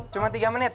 cuma tiga menit